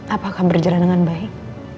apakah berjalan dengan baik